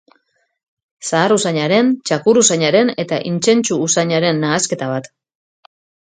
Zahar-usainaren, txakur-usainaren eta intsentsu-usainaren nahasketa bat.